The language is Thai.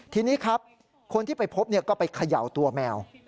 ทีนี้ครับคนที่ไปพบก็ไปเขย่าตัวแมว